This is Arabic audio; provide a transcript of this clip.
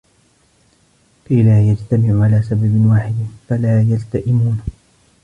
كَيْ لَا يَجْتَمِعُوا عَلَى سَبَبٍ وَاحِدٍ فَلَا يَلْتَئِمُونَ